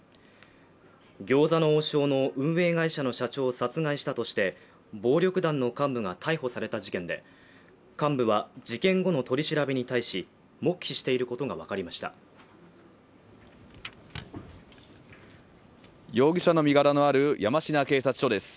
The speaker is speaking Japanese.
餃子の王将の運営会社の社長を殺害したとして暴力団の幹部が逮捕された事件で幹部は事件後の取り調べに対し黙秘していることが分かりました容疑者の身柄のある山科警察署です